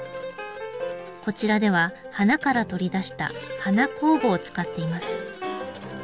こちらでは花から取り出した花酵母を使っています。